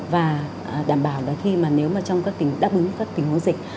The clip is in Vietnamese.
và đảm bảo là khi mà nếu mà trong các tỉnh đáp ứng các tình huống dịch